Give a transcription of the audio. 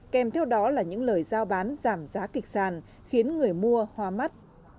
kèm theo đó là những lời giao bán giảm giá kịch sàn khiến người mua hoa mắt